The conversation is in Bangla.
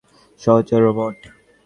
আমি সোকস, আপনার ব্যক্তিগত সহচর রোবট।